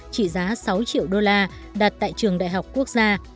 trị giá sáu triệu đô la đặt tại trường đại học quốc gia